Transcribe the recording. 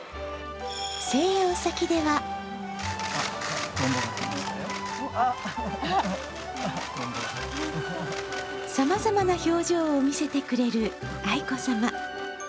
静養先ではさまざまな表情を見せてくれる愛子さま。